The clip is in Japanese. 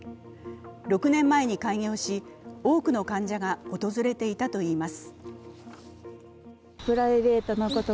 ６年前に開業し、多くの患者が訪れていたといいます。